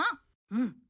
うん。